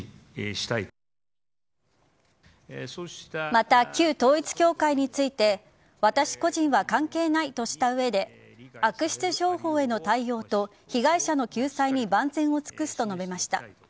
また、旧統一教会について私個人は関係ないとした上で悪質商法への対応と被害者の救済に万全を尽くすと述べました。